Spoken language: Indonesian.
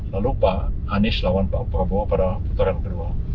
lalu pak anies lawan pak prabowo pada putaran kedua